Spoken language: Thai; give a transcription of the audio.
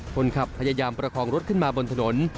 พยายามประคองรถขึ้นมาบนถนน